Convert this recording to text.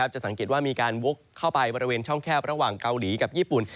จะสังเกตว่ามีการวกเข้าไปบริเวณช่องแคบระหว่างเกาหลีกับญี่ปุ่น